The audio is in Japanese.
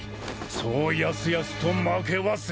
そうやすやすと負けはせん。